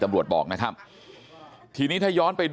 ทำให้สัมภาษณ์อะไรต่างนานาไปออกรายการเยอะแยะไปหมด